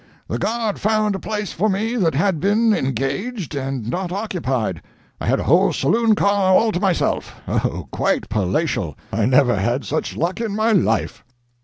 The guard found a place for me that had been engaged and not occupied. I had a whole saloon car all to myself oh, quite palatial! I never had such luck in my life."